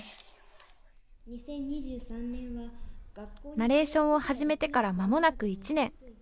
ナレーションを始めてからまもなく１年。